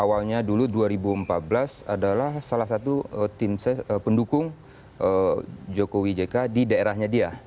awalnya dulu dua ribu empat belas adalah salah satu tim pendukung jokowi jk di daerahnya dia